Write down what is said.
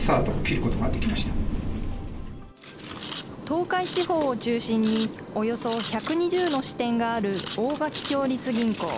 東海地方を中心におよそ１２０の支店がある大垣共立銀行。